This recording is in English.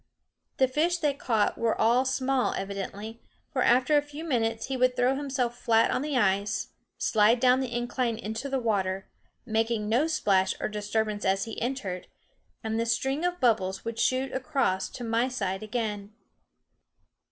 The fish they caught were all small evidently, for after a few minutes he would throw himself flat on the ice, slide down the incline into the water, making no splash or disturbance as he entered, and the string of bubbles would shoot across to my side again.